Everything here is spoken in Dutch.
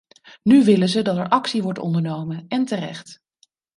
Nu willen ze dat er actie wordt ondernomen, en terecht.